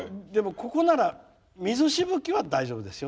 ここなら、水しぶきは大丈夫ですよ。